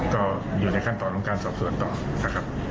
ก็อยู่ในขั้นตอนของการสอบสวนต่อนะครับ